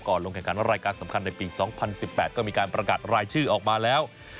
ลงแข่งขันรายการสำคัญในปี๒๐๑๘ก็มีการประกาศรายชื่อออกมาแล้ว